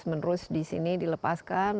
menerus di sini dilepaskan